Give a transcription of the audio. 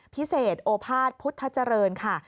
พิเศษโอภาษพุทธเจริญค่ะ